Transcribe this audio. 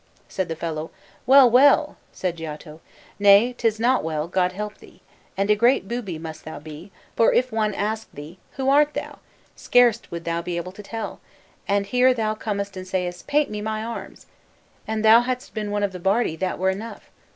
Said the fellow, 'Well, well!' Said Giotto, 'Nay, 'tis not well, God help thee! And a great booby must thou be, for if one asked thee, "Who art thou?" scarce wouldst thou be able to tell; and here thou comest and sayest, "Paint me my arms!" An thou hadst been one of the Bardi, that were enough.